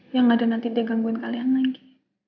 yang ada nanti dia gangguin kalian lagi